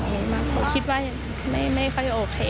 ผมคิดว่าไม่ค่อยโอเค